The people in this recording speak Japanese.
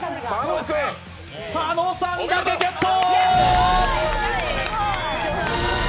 佐野さん、パフェゲット！